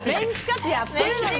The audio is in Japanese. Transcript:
メンチカツやってるのに！